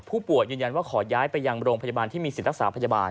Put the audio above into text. ยืนยันว่าขอย้ายไปยังโรงพยาบาลที่มีสิทธิ์รักษาพยาบาล